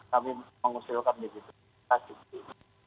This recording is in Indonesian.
kami mengusirkan di situ terima kasih